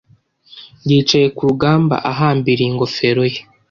Yicaye ku rugamba ahambiriye ingofero ye